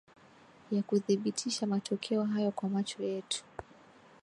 ya kuthibitisha matokeo hayo kwa macho yetu